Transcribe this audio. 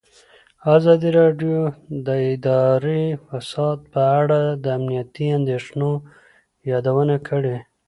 ازادي راډیو د اداري فساد په اړه د امنیتي اندېښنو یادونه کړې.